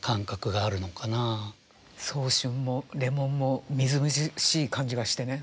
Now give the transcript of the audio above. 早春もレモンもみずみずしい感じがしてね。